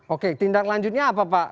oke tindak lanjutnya apa pak